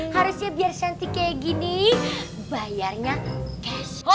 harusnya biar shanti kayak gini bayarnya cash